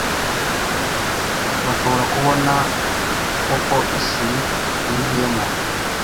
bashobora kubona kuko isi yuzuyemo